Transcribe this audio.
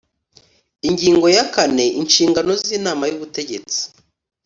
Ingingo ya kane Inshingano z Inama y Ubutegetsi